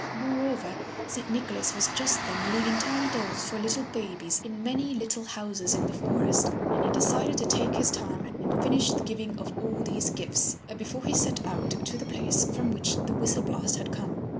Moreover, Saint Nicholas was just then leaving tiny dolls for little babies in many little houses in the forest and he decided to take his time and finish the giving of all these gifts before he set out to the place from which the whistle blast had come.